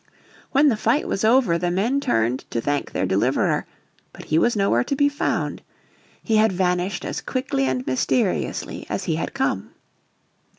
When the fight was over the men turned to thank their deliverer. But he was nowhere to be found. He had vanished as quickly and mysteriously as he had come.